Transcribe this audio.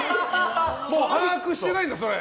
把握してないんだ、それを。